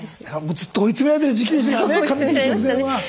ずっと追い詰められてる時期でしたからね髪切る直前は。